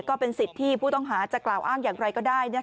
ก็เป็นสิทธิ์ที่ผู้ต้องหาจะกล่าวอ้างอย่างไรก็ได้